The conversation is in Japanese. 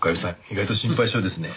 意外と心配性ですね。